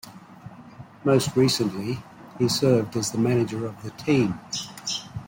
Most recently, he served as the manager of the team.